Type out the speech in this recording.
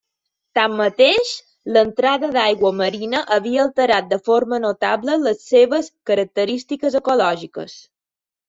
Tanmateix, l'entrada d'aigua marina havia alterat de forma notable les seves característiques ecològiques.